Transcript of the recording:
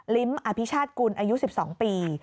ลิ้มอภิชาติกุลอายุ๑๒ปี